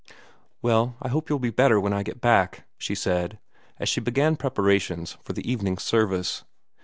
"Well, I hope you'll be better when I get back," she said, as she began preparations for the evening service.